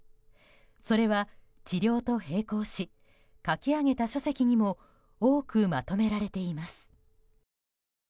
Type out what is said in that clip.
それは治療と並行し書き上げた書籍にも多くまとめられています。